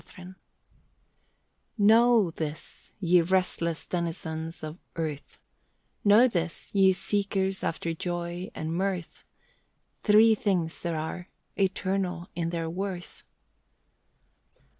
THREE THINGS Know this, ye restless denizens of earth, Know this, ye seekers after joy and mirth, Three things there are, eternal in their worth.